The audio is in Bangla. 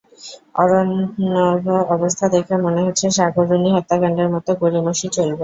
অরনভঅবস্থা দেখে মনে হচ্ছে, সাগররুনি হত্যাকাণ্ডের মতো গড়িমসি চলবে।